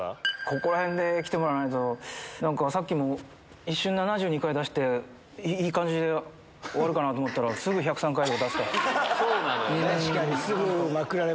ここらへんで来てもらわないとさっきも一瞬７２回出していい感じで終わるかと思ったらすぐ１０３回を出すから。